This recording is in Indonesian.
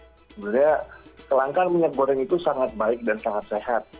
sebenarnya kelangkaan minyak goreng itu sangat baik dan sangat sehat